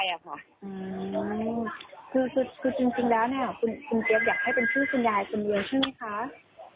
ก็คือจริงจริงเดียวนะคุณเจ๊บอยากให้เป็นชื่อคนดายสินะขอ